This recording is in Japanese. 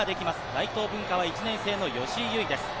大東文化は１年生の吉井優唯です。